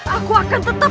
aku akan tetap